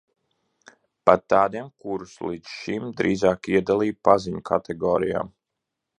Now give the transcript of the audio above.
Pat tādiem, kurus līdz šim drīzāk iedalīju paziņu kategorijā.